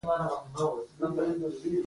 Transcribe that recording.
دین، ښه ملګری دی.